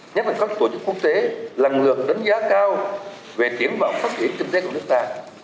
nhất là các tổ chức quốc tế lần lượt đánh giá cao về tiến vọng phát triển kinh tế của nước ta